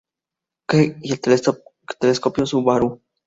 Keck y el Telescopio Subaru.